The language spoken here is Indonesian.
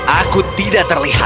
aku tidak terlihat